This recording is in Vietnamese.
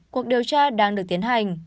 cuộc điều tra đang được tiến hành